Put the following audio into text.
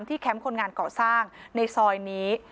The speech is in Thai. แคมป์คนงานก่อสร้างในซอยนี้